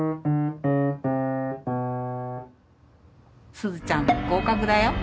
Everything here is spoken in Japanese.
すずちゃん合格だよ。